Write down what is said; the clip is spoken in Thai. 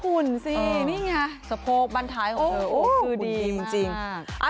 คุณสินี่ไงสะโพกบันทายของเธอคือดีมาก